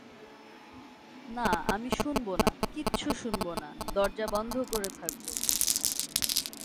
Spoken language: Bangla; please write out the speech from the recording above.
না, আমি শুনব না, কিচ্ছু শুনব ন, দরজা বন্ধ করে থাকব।